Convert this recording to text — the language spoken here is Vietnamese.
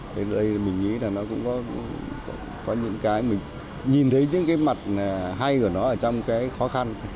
thế đây mình nghĩ là nó cũng có những cái mình nhìn thấy những cái mặt hay của nó ở trong cái khó khăn